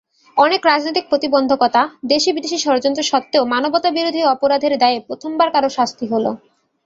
অনেক রাজনৈতিক প্রতিবন্ধকতা, দেশি-বিদেশি ষড়যন্ত্র সত্ত্বেও মানবতাবিরোধী অপরাধের দায়ে প্রথমবার কারও শাস্তি হলো।